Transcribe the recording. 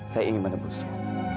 saya ingin menebusnya